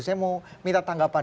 saya mau minta tanggapan